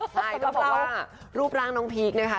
ใช่ต้องบอกว่ารูปร่างน้องพีคนะคะ